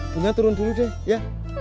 bunga turun dulu deh ya